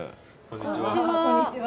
こんにちは。